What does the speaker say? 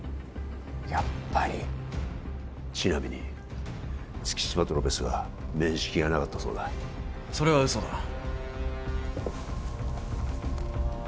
やっぱりちなみに月島とロペスは面識がなかったそうだそれは嘘だ